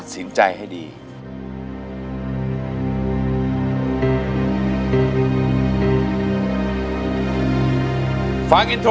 สู้